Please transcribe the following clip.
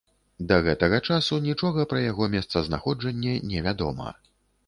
Да гэтага часу нічога пра яго месцазнаходжанне не вядома.